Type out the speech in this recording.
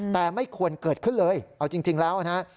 แต่ไม่ควรเกิดขึ้นเลยเอาจริงแล้วนะฮะ